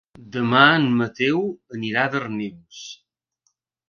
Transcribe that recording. Demà en Mateu anirà a Darnius.